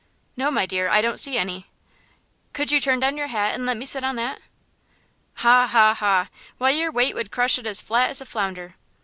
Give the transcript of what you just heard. "No, my dear; I don't see any." "Could you turn your hat down and let me sit on that?" "Ha, ha, ha! Why your weight would crush it as flat as a flounder!"